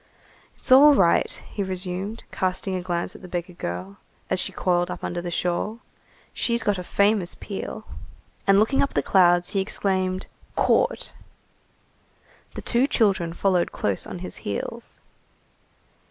"It's all right," he resumed, casting a glance at the beggar girl, as she coiled up under the shawl, "she's got a famous peel." And looking up at the clouds he exclaimed:— "Caught!" The two children followed close on his heels.